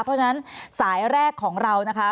เพราะฉะนั้นสายแรกของเรานะคะ